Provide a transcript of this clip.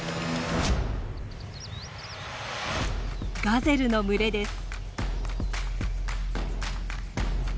ガゼルの群れです。